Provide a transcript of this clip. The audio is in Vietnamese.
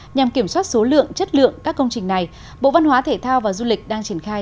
nhằm kiểm soát số lượng chất lượng các công trình này bộ văn hóa thể thao và du lịch đang triển khai